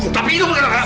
tapi itu bukan anak kamu